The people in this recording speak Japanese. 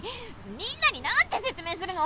みんなになんて説明するの？